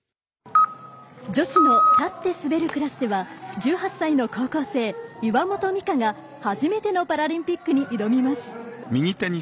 女子の立って滑るクラスでは１８歳の高校生、岩本美歌が初めてのパラリンピックに挑みます。